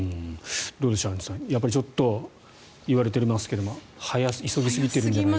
どうでしょうアンジュさんちょっと言われていますが急ぎ過ぎているのかなと。